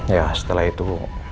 ya setelah itu